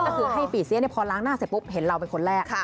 ก็คือให้ปีเสียพอล้างหน้าเสร็จปุ๊บเห็นเราเป็นคนแรก